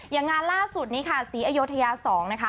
อย่างงานล่าสุดนี้ค่ะสีอโยธยาซองนะคะ